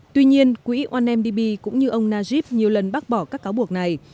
tuy nhiên quỹ ondb cũng như ông najib nhiều lần bác bỏ các cáo buộc này